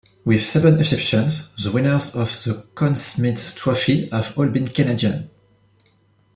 With seven exceptions, the winners of the Conn Smythe Trophy have all been Canadian.